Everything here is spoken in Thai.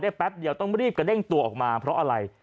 แป๊บเดียวต้องรีบกระเด้งตัวออกมาเพราะอะไร